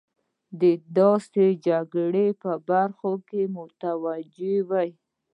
د داسې جګړو په برخه کې متوجه وي.